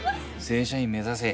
正社員目指せ。